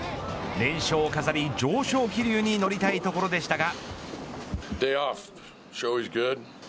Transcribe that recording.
連勝を飾り上昇気流に乗りたいところでしたが。